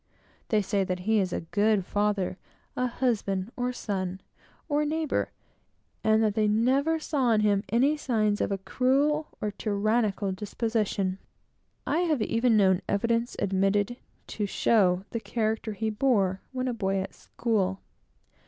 They say that he is a good father, or husband, or son, or neighbor, and that they never saw in him any signs of a cruel or tyrannical disposition. I have even known evidence admitted to show the character he bore when a boy at school.